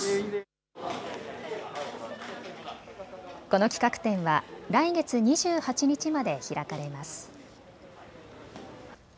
この企画展は来月２８日まで開かれます。